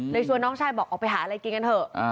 ชวนน้องชายบอกออกไปหาอะไรกินกันเถอะ